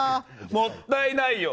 もったいないよ！